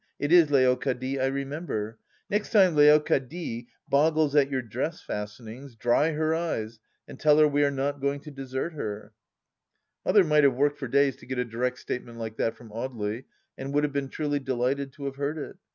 It is Leocadie, I remember)— next time Leocadie boggles at your dress fastenings, dry her eyes and tell her we are not going to desert her 1 " Mother might have worked for days to get a direct state ment like that from Audely, and would have been truly delighted to have heard it.